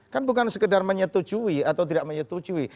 kan bukan sekedar menyetujui atau tidak menyetujui